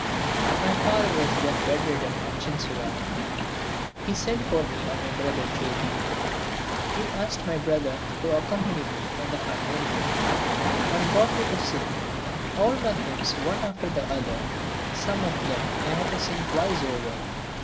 My father was then bed ridden at Chinsurah. He sent for me and my brother Jyoti. He asked my brother to accompany me on the harmonium and got me to sing all my hymns one after the other, some of them I had to sing twice over.